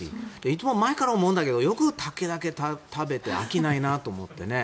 いつも前から思うんだけどよく竹だけ食べて飽きないなと思って。